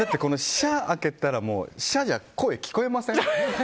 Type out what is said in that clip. シャッ開けたらシャッじゃ声聞こえません？